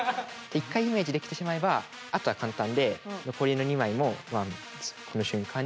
一回イメージできてしまえばあとは簡単で残りの２枚もワンツーこの瞬間に。